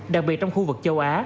đặc biệt trong khu vực châu á